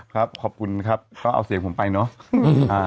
ครับขอบคุณครับก็เอาเสียงผมไปเนาะ